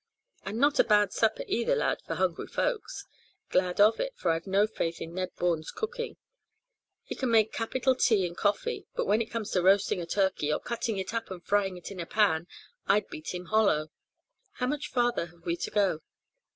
"And not a bad supper either, lad, for hungry folks. Glad of it, for I've no faith in Ned Bourne's cooking. He can make capital tea and coffee, but when it comes to roasting a turkey, or cutting it up and frying it in a pan, I'd beat him hollow. How much farther have we to go?"